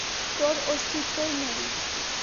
তোর অস্তিত্বই নেই।